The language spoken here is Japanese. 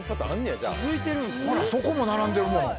ほらそこも並んでるもん。